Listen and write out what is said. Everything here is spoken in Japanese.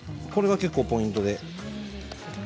これが結構ポイントで。